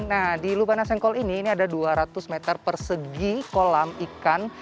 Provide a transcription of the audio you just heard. nah di lupana sengkol ini ini ada dua ratus meter persegi kolam ikan